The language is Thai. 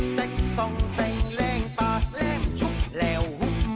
สกส่งส่งแหลงปาแหลงชุกแล้วหุ่น